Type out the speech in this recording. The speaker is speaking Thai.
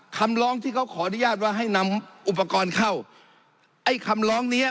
คำร้องที่เขาขออนุญาตว่าให้นำอุปกรณ์เข้าไอ้คำร้องเนี้ย